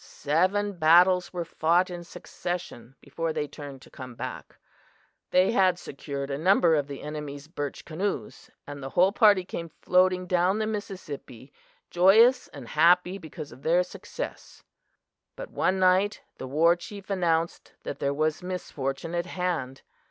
"Seven battles were fought in succession before they turned to come back. They had secured a number of the enemy's birch canoes, and the whole party came floating down the Mississippi, joyous and happy because of their success. "But one night the war chief announced that there was misfortune at hand.